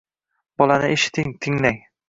Bolani eshiting-tinglang.